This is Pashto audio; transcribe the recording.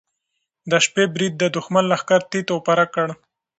د شپې برید د دښمن لښکر تیت و پرک کړ.